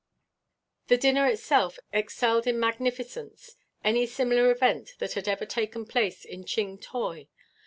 The dinner itself exceeded in magnificence any similar event that had ever taken place in Ching toi.